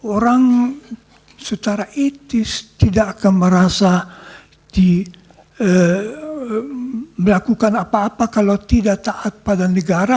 orang secara etis tidak akan merasa melakukan apa apa kalau tidak taat pada negara